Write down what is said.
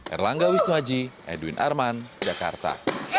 erlangga wisnuaji edwin arman jakarta